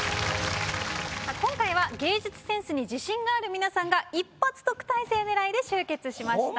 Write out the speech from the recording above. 今回は芸術センスに自信がある皆さんが一発特待生狙いで集結しました。